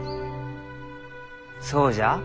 そうじゃあ。